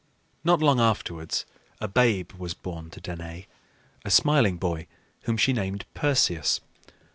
Not long afterwards a babe was born to Danaë, a smiling boy whom she named Perseus.